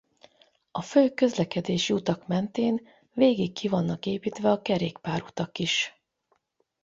A fő közlekedési utak mentén végig ki vannak építve a kerékpárutak is.